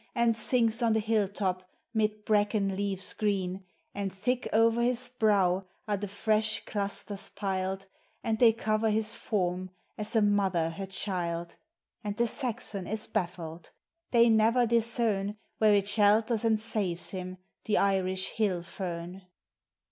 And sinks on the hill top, 'mid brn< ken l< green ; And thick o'er his brow are th< i fresh cluster* piled. 266 POEMS OF NATURE. And they cover his form as a mother her child. And the Saxon is baffled. They never discern Where it shelters and saves him, the Irish hilJ fern.